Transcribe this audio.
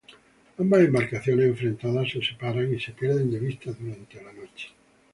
Ambas embarcaciones enfrentadas se separan y se pierden de vista durante la noche.